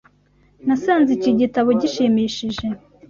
Nasanze iki gitabo gishimishije.